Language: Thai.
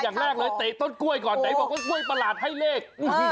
อย่างแรกเลยเตะต้นกล้วยก่อนไหนบอกว่ากล้วยประหลาดให้เลข